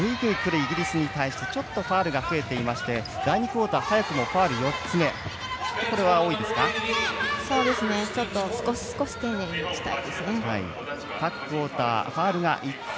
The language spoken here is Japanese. イギリスに対してファウルが増えていまして第２クオーター早くもファウル４つ目。